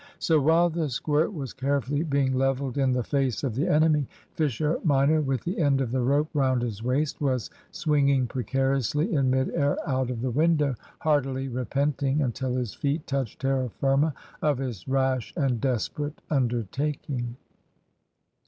So, while the squirt was carefully being levelled in the face of the enemy, Fisher minor, with the end of the rope round his waist, was swinging precariously in mid air out of the window, heartily repenting, until his feet touched terra firma, of his rash and desperate undertaking.